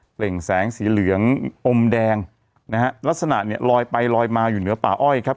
แหล่งแสงสีเหลืองอมแดงนะฮะลักษณะเนี่ยลอยไปลอยมาอยู่เหนือป่าอ้อยครับ